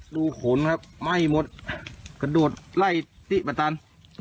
ดูขนครับไหม้หมดกระโดดไล่ติประตัน